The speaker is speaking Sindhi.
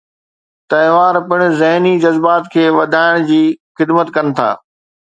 تہوار پڻ ذھني جذبات کي وڌائڻ جي خدمت ڪن ٿا.